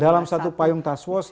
dalam satu payung task force